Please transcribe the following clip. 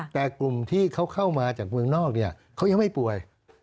แต่กลุ่มที่เขาเข้ามาจากเมืองนอกเนี่ยเขายังไม่ป่วย